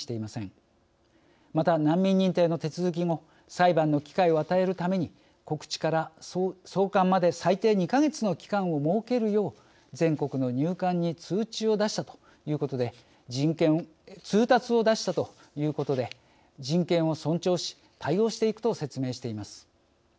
また難民認定の手続き後裁判の機会を与えるために告知から送還まで最低２か月の期間を設けるよう全国の入管に通達を出したということで人権を尊重し対応していくと説明しています。